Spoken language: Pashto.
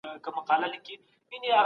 په دغه کیسې کي د حضرت عمر غیرت بیان سو.